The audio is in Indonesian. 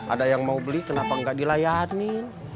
ada yang mau beli kenapa nggak dilayani